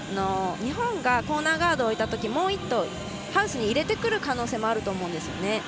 日本がコーナーガードを置いたときもう１投、ハウスに入れてくる可能性もあると思うんですね。